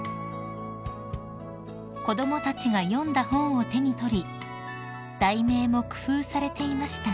［子供たちが読んだ本を手に取り「題名も工夫されていましたね」